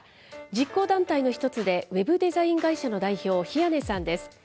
実行団体の一つで、ウェブデザイン会社の代表、比屋根さんです。